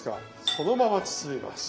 そのまま包みます。